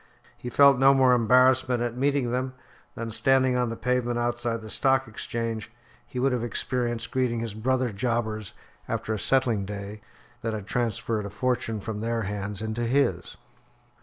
He felt no more embarrassment at meeting them than, standing on the pavement outside the Stock Exchange, he would have experienced greeting his brother jobbers after a settling day that had transferred a fortune from their hands into his.